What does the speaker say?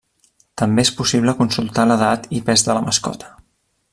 També és possible consultar l'edat i pes de la mascota.